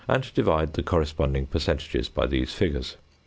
and divide the corresponding percentages by these figures.